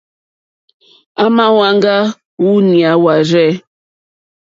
À mà hwáŋgá wûɲá wárzɛ̂.